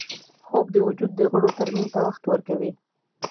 خوب د وجود د غړو ترمیم ته وخت ورکوي